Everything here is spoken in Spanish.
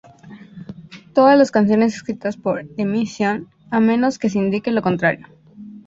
Todas las canciones escritas por The Mission, a menos que se indique lo contrario.